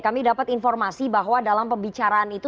kami dapat informasi bahwa dalam pembicaraan itu